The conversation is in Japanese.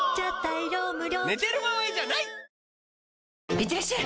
いってらっしゃい！